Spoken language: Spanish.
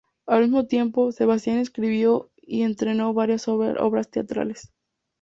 Al mismo tiempo, Sebastian escribió y estrenó varias obras teatrales.